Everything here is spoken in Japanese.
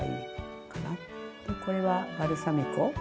これはバルサミコ。